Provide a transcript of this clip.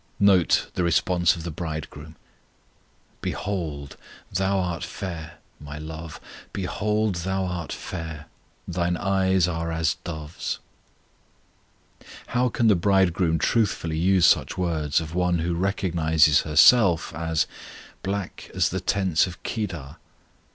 Note the response of the Bridegroom: Behold, thou art fair, My love; behold, thou art fair; Thine eyes are as dove's. How can the Bridegroom truthfully use such words of one who recognizes herself as Black as the tents of Kedar?